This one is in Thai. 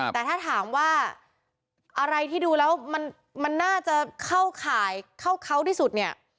แต่ถ้าถามว่าอะไรที่ดูแล้วมันน่าจะเข้าข่ายเข้าเขาที่สุดเนี่ย